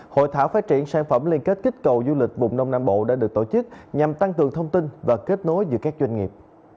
hội thảo phát triển sản phẩm liên kết kích cầu du lịch vùng đông nam bộ đã được tổ chức nhằm tăng cường thông tin và kết nối giữa các doanh nghiệp